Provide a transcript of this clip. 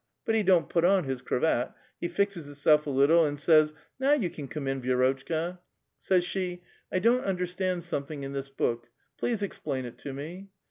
Kut he don't put on his cravat ; he fixes hisself a little, and says, ' Now you can come in, Vierotchka.' Says she, ' I don't understand something in this book ; please explain it to me.'